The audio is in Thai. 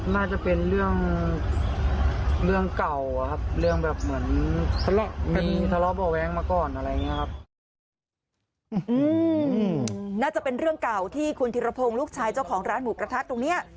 น่าจะเป็นเรื่องเก่าที่คุณธิรพงศ์ลูกชายเจ้าของร้านหมูกระทะตรงเนี้ย